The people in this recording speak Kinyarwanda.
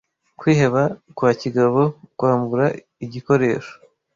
kwiheba kwa kigabo kwambura igikoresho